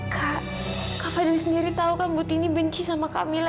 kak kak fadli sendiri tahu kan butini benci sama kak mila